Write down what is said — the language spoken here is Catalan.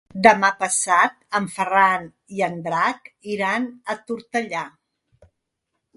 Demà passat en Ferran i en Drac iran a Tortellà.